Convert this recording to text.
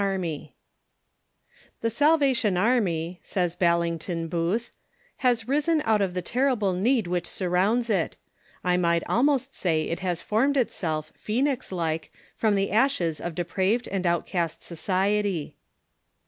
]" The Salvation Army," says Ballington Booth, " has risen out of the terrible need which surrounds it ; I might almost say it has formed itself, Pho?nix like, from the ashes of depraved and outcast society."